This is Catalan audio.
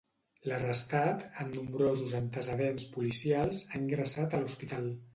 L'arrestat, amb nombrosos antecedents policials, ha ingressat a l'hospital.